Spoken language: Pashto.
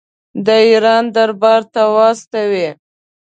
د ایران دربار ته واستوي.